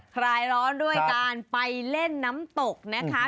คลายร้อนด้วยการไปเล่นน้ำตกนะคะ